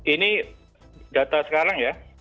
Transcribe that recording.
ini data sekarang ya